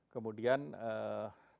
kemudian tentu kita